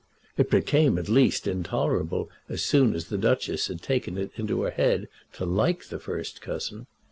It became, at least, intolerable as soon as the Duchess had taken it into her head to like the first cousin.